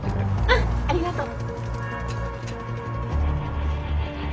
うんありがとう。